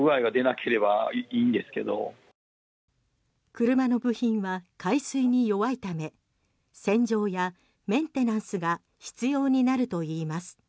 車の部品は海水に弱いため洗浄やメンテナンスが必要になるといいます。